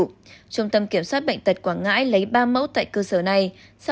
trung tâm kiểm soát bệnh tật quảng ngãi lấy ba mẫu tại cơ sở này